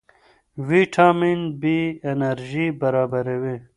ویټامین بي انرژي برابروي.